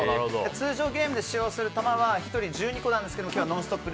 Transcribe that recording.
通常はゲームで使用する球は１人１２個なんですが今日は「ノンストップ！」